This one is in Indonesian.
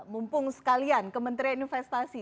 mumpung sekalian ke menteri investasi